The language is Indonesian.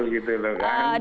gitu loh kan